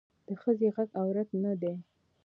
د ښخي غږ عورت نه دی